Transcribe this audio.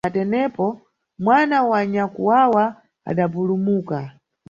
Na tenepo, mwana wa nyakwawa adapulumuka.